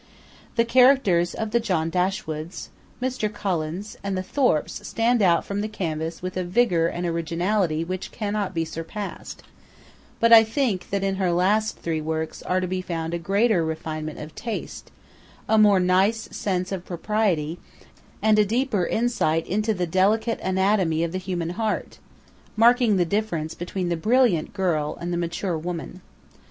The characters of the John Dashwoods, Mr. Collins, and the Thorpes stand out from the canvas with a vigour and originality which cannot be surpassed; but I think that in her last three works are to be found a greater refinement of taste, a more nice sense of propriety, and a deeper insight into the delicate anatomy of the human heart, marking the difference between the brilliant girl and the mature woman.